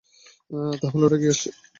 তাহলে, ওটা কি আসছে?